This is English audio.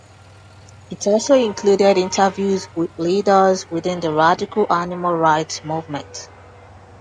It also included interviews with leaders within the radical animal rights movement.